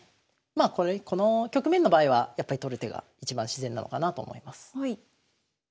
まあこの局面の場合はやっぱり取る手がいちばん自然なのかなと思います。